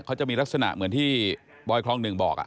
เขาจะมีลักษณะเหมือนที่บอยคลองหนึ่งบอก